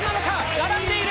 並んでいる。